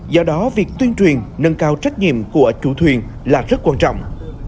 do đó việc tuyên truyền nâng cao trách nhiệm của chủ thuyền là rất quan trọng